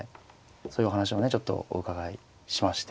そういうお話をねちょっとお伺いしまして。